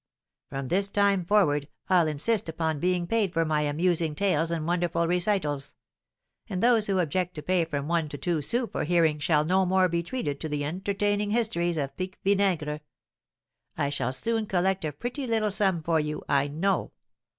From this time forward I'll insist upon being paid for my amusing tales and wonderful recitals; and those who object to pay from one to two sous for hearing shall no more be treated to the entertaining histories of Pique Vinaigre. I shall soon collect a pretty little sum for you, I know.